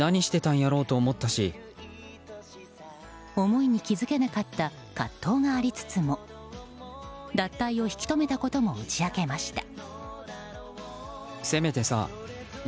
思いに気付けなかった葛藤がありつつも脱退を引き留めたことも打ち明けました。